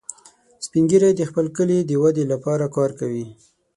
سپین ږیری د خپل کلي د ودې لپاره کار کوي